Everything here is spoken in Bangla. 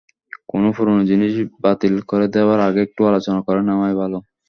কোনো পুরোনো জিনিস বাতিল করে দেওয়ার আগে একটু আলোচনা করে নেওয়াই ভালো।